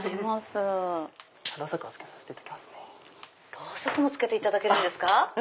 ろうそくもつけていただけるんですか！